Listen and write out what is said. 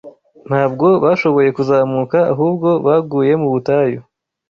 Ntabwo bashoboye kuzamuka, ahubwo baguye mu butayu.